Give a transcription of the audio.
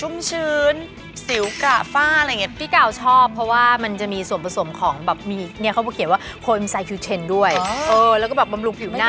มันก็บำรุงผิวหน้า